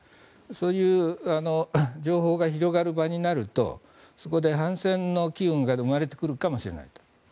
そういう情報が広がる場になるとそこで反戦の機運が生まれてくるかもしれない。